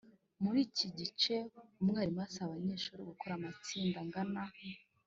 Muri iki gice umwarimu asaba abanyeshuri gukora amatsinda angana